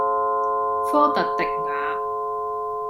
科特迪瓦